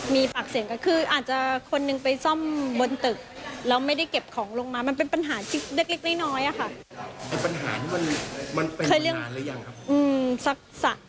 มันเป็นมานานหรือยังครับ